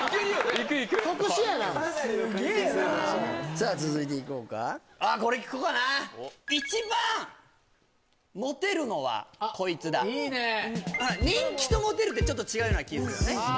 行く行くすげえなさあ続いていこうかあっこれ聞こうかな一番モテるのはこいつだあっいいね人気とモテるってちょっと違うような気するよね